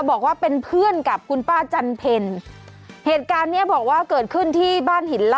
บอกว่าเป็นเพื่อนกับคุณป้าจันเพลเหตุการณ์เนี้ยบอกว่าเกิดขึ้นที่บ้านหินล่า